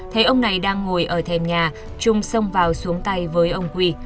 thấy ông này đang ngồi ở thèm nhà trung xông vào xuống tay với ông huy